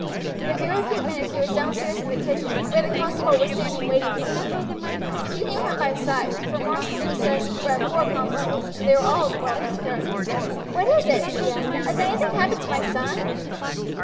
In a very few minutes she was downstairs in the kitchen, where the constable was standing waiting for her. She knew him by sight, for Marsden possessed but four constables, and they were all well known characters. "What is it?" she asked; "has anything happened to my son?"